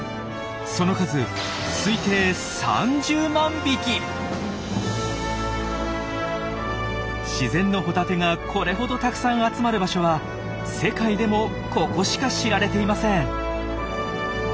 その数自然のホタテがこれほどたくさん集まる場所は世界でもここしか知られていません。